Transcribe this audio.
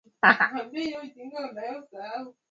e kuwa katika hii province eeh